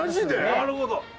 なるほど。